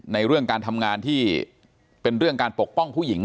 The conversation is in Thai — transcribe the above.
ในเรื่องการทำงานที่เป็นเรื่องการปกป้องผู้หญิง